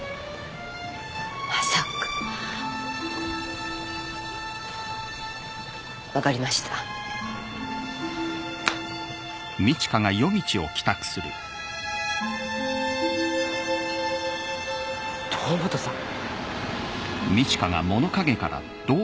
まさか分かりました堂本さん